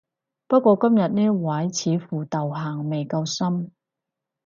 不過今日呢位似乎道行未夠深